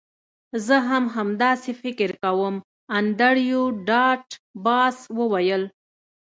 زه هم همداسې فکر کوم انډریو ډاټ باس وویل